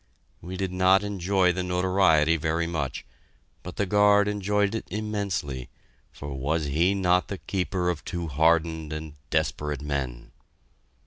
We did not enjoy the notoriety very much, but the guard enjoyed it immensely, for was he not the keeper of two hardened and desperate men?